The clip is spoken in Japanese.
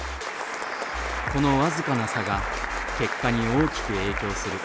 この僅かな差が結果に大きく影響する。